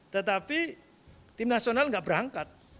tetapi tim nasional nggak berangkat